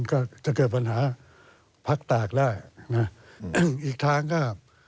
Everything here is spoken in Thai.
ก็จะเกิดปัญหาภักด์ตากได้อีกทางก็